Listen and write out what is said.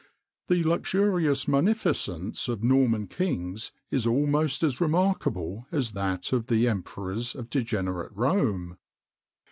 The luxurious munificence of Norman kings is almost as remarkable as that of the emperors of degenerate Rome.